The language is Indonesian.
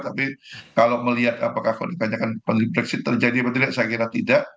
tapi kalau melihat apakah kalau ditanyakan konflik terjadi atau tidak saya kira tidak